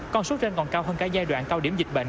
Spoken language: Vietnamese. con số trên còn cao hơn cả giai đoạn cao điểm dịch bệnh